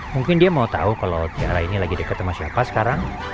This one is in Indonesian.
mungkin dia mau tahu kalau tiara ini lagi deket sama siapa sekarang